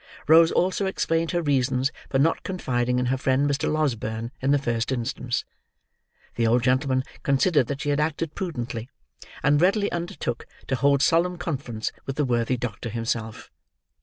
Rose also explained her reasons for not confiding in her friend Mr. Losberne in the first instance. The old gentleman considered that she had acted prudently, and readily undertook to hold solemn conference with the worthy doctor himself.